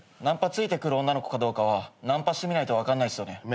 ナンパついてくる女の子かどうかはナンパしてみないと分かんないっすよね。